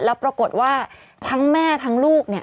แล้วปรากฏว่าทั้งแม่ทั้งลูกเนี่ย